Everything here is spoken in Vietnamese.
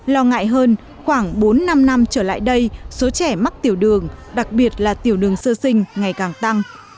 lo ngại hơn khoảng bốn năm năm trở lại đây số trẻ mắc tiểu đường đặc biệt là tiểu đường sơ sinh ngày càng tăng